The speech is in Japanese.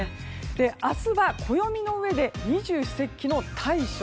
明日は暦の上で二十四節気の大暑。